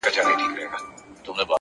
هره ورځ د ځان د بیا لیکلو فرصت دی!